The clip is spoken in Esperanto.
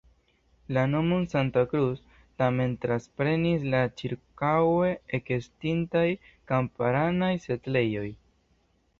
La nomon "Santa Cruz" tamen transprenis la ĉirkaŭe ekestintaj kamparanaj setlejoj.